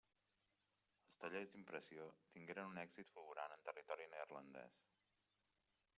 Els tallers d'impressió tingueren un èxit fulgurant en territori neerlandès.